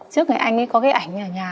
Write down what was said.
trước ngày anh ấy có cái ảnh ở nhà